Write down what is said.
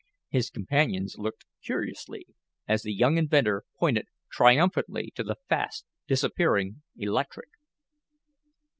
His companions looked curiously, as the young inventor pointed triumphantly to the fast disappearing electric.